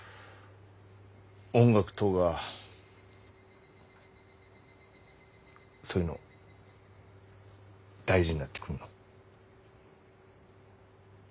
音楽とかそういうの大事になってくんの。